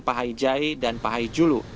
pahai jai dan pahai julu